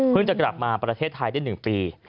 จะกลับมาประเทศไทยได้๑ปี